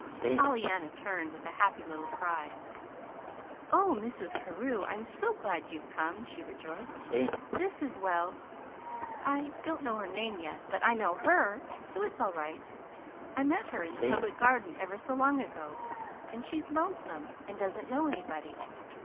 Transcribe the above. Pollyanna turned with a happy little cry. "Oh, Mrs. Carew, I'm so glad you've come," she rejoiced. "This is well, I don't know her name yet, but I know HER, so it's all right. I met her in the Public Garden ever so long ago. And she's lonesome, and doesn't know anybody.